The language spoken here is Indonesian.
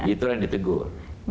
itu yang ditegur